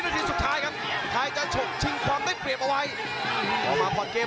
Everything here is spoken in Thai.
แล้วพยายามจะใช้เหลี่ยมตีด้วยเขาขวาเลยครับ